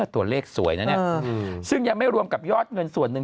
ตัวเลขสวยนะเนี่ยซึ่งยังไม่รวมกับยอดเงินส่วนหนึ่ง